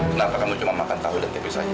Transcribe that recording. kenapa kamu cuma makan tahu dan kepis aja